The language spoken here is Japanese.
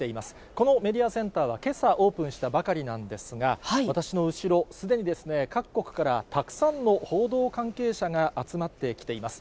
このメディアセンターはけさオープンしたばかりなんですが、私の後ろ、すでに各国からたくさんの報道関係者が集まってきています。